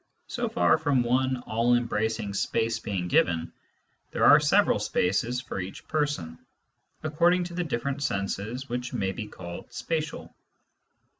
So far from one all embracing space being given, there are several spaces for each person, according to the different senses which give relations that may be called spatial.